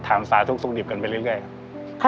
สาธุสุขดิบกันไปเรื่อยครับ